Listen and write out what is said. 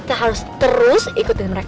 kita harus terus ikutin mereka